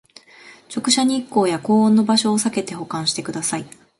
直射日光や高温の場所をさけて保管してください